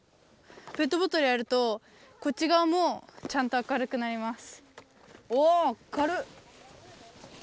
ペットボトルやるとこっちがわもちゃんと明るくなります。